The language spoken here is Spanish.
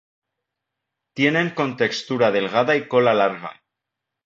Tienen contextura delgada y cola larga.